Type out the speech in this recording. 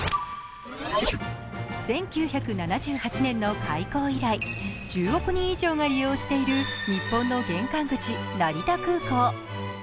１９７８年の開港以来、１０億人以上が利用している日本の玄関口、成田空港。